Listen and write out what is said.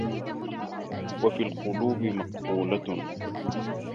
وَفِي الْقُلُوبِ مَقْبُولَةٌ